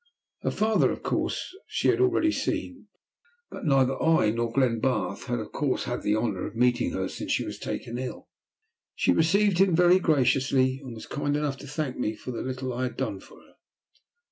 Her father, of course, she had already seen, but neither I nor Glenbarth had of course had the honour of meeting her since she was taken ill. She received him very graciously, and was kind enough to thank me for the little I had done for her.